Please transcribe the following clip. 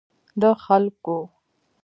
د خلګو